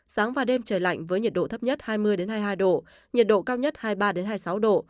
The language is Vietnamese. sáng và đêm trời lạnh với nhiệt độ thấp nhất hai mươi hai mươi hai độ nhiệt độ cao nhất hai mươi ba hai mươi sáu độ